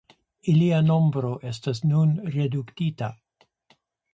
Ilia nombro estas nun reduktita.